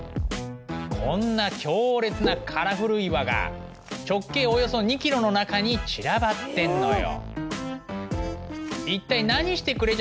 こんな強烈なカラフル岩が直径およそ２ｋｍの中に散らばってんのよ。